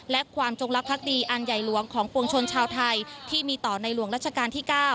และความจงลักษ์ดีอันใหญ่หลวงของปวงชนชาวไทยที่มีต่อในหลวงรัชกาลที่๙